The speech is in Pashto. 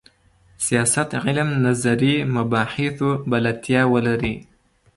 سیاست علم نظري مباحثو بلدتیا ولري.